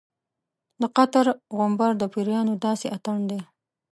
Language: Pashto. د قطر غومبر د پیریانو داسې اتڼ دی.